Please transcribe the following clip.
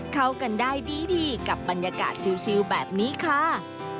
เข้ากันได้ดีกับบรรยากาศชิวแบบนี้ค่ะ